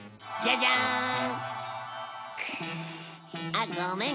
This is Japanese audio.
あっごめん。